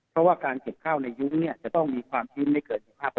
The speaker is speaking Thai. เพราะว่าการเก็บข้าวในยุ้งจะต้องมีความชื้นไม่เกิน๑๕